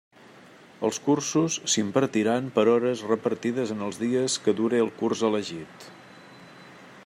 Els cursos s'impartiran per hores repartides en els dies que dure el curs elegit.